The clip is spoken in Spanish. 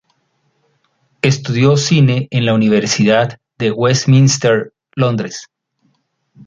Estudió cine en la Universidad de Westminster, Londres.